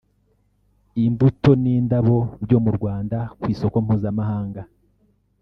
imbuto n’indabo byo mu Rwanda ku isoko mpuzamahanga